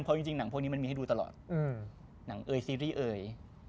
เพราะจริงหนังพวกนี้มันมีให้ดูตลอดหนังเอ่ยซีรีส์เอ่ย